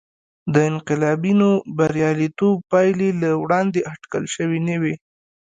د انقلابینو بریالیتوب پایلې له وړاندې اټکل شوې نه وې.